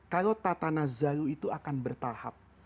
kalau tatanazalu itu akan bertahap